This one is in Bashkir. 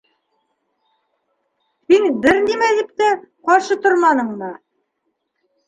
— Һин бер нәмә тип тә ҡаршы торманыңмы?